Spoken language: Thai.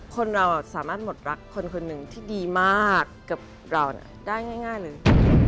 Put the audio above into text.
คนเราสามารถหมดรักคนคนหนึ่งที่ดีมากกับเราได้ง่ายเลย